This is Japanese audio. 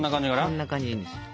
そんな感じでいいんですよ。